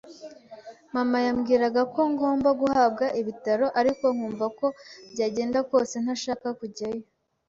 Mama yambwiraga ko ngomba guhabwa ibitaro, ariko nkumva uko byagenda kose ntashaka kujyayo!